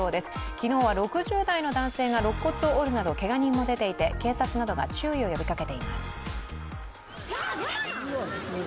昨日は６０代の男性がろっ骨を折るなどけが人が出ていて警察などが注意を呼びかけています。